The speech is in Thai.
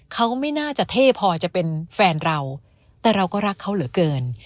เขาไม่น่าจะเท่พอจะเป็นแฟนเราแต่เราก็รักเขาเหลือเกิน